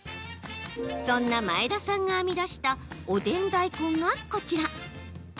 そんな前田さんが編み出したおでん大根がこちら。